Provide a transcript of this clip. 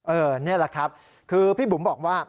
นี่แหละครับคือพี่บุ๋มบอกว่า